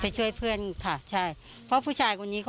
ช่วยเพื่อนค่ะใช่เพราะผู้ชายคนนี้ก็